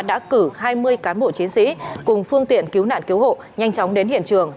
đã cử hai mươi cán bộ chiến sĩ cùng phương tiện cứu nạn cứu hộ nhanh chóng đến hiện trường